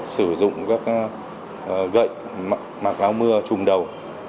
sử dụng các gậy mặc láo mưa trùm đầu